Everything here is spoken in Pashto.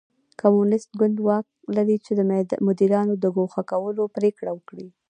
کمونېست ګوند واک لري چې د مدیرانو د ګوښه کولو پرېکړه وکړي.